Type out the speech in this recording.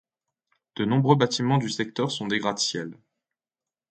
De nombreux bâtiments du secteur sont des gratte-ciel.